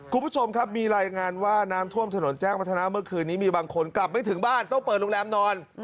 คุณผู้ชมครับมีรายงานว่าน้ำท่วมถนนแจ้งวัฒนาเมื่อคืนนี้มีบางคนกลับไม่ถึงบ้านต้องเปิดโรงแรมนอน